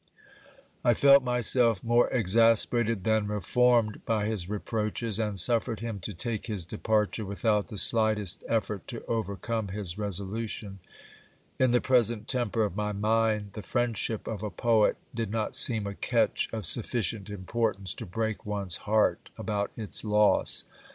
I felt myself more exasperated than reformed by his reproaches ; and suffered j him to take his departure without the slightest effort to overcome his resolution, j In the present temper of my mind, the friendship of a poet did not seem a catch ; of sufficient importance to break one's heart about its loss.